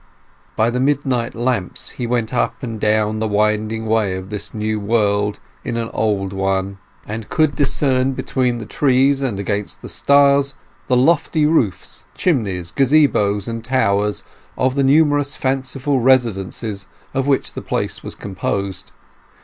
By the midnight lamps he went up and down the winding way of this new world in an old one, and could discern between the trees and against the stars the lofty roofs, chimneys, gazebos, and towers of the numerous fanciful residences of which the place was composed.